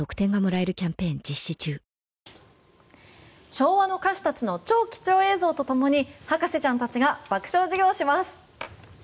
昭和の歌手たちの超貴重映像とともに博士ちゃんたちが爆笑授業します！